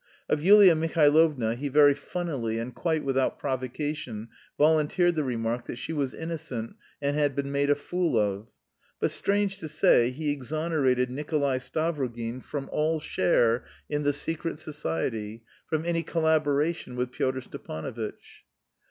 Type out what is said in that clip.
Of Yulia Mihailovna he very funnily and quite without provocation volunteered the remark, that "she was innocent and had been made a fool of." But, strange to say, he exonerated Nikolay Stavrogin from all share in the secret society, from any collaboration with Pyotr Stepanovitch.